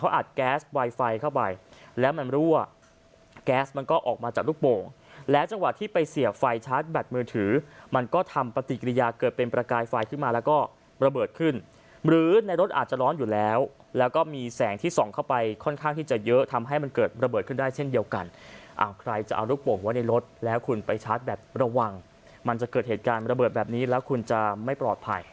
เขาอัดแก๊สไวไฟเข้าไปแล้วมันรั่วแก๊สมันก็ออกมาจากลูกโปรงและจังหวัดที่ไปเสียบไฟชาร์จแบตมือถือมันก็ทำปฏิกิริยาเกิดเป็นประกายไฟขึ้นมาแล้วก็ระเบิดขึ้นหรือในรถอาจจะร้อนอยู่แล้วแล้วก็มีแสงที่ส่องเข้าไปค่อนข้างที่จะเยอะทำให้มันเกิดระเบิดขึ้นได้เช่นเดียวกันอ่าวใคร